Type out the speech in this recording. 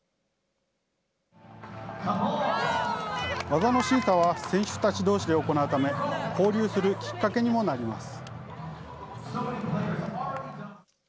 技の審査は選手たちどうしで行うため、交流するきっかけにもなります。